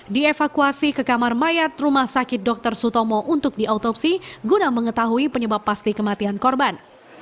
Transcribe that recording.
dievakuasi ke kamar mayat rumah sakit dr sutomo untuk diautopsi guna mengetahui penyebab pasti kematian korban